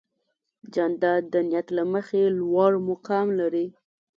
جانداد د نیت له مخې لوړ مقام لري.